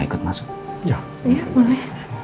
ikut masuk iya boleh